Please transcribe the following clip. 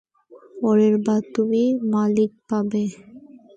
পরের বার তুমি মালিক পাবে।